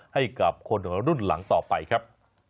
ให้กับคนรุ่นหลังต่อไปครับ